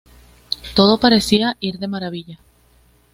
Todo parecía ir de maravilla.